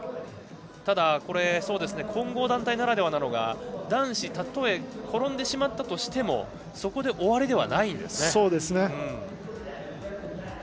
ただ、混合団体ならではなのが男子、たとえ転んでしまったとしてもそこで終わりではないんですね。